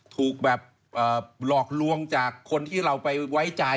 ถูกแบบหลอกลวงจากคนที่เราไปไว้ใจ